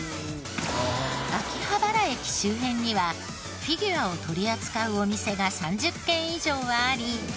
秋葉原駅周辺にはフィギュアを取り扱うお店が３０軒以上あり。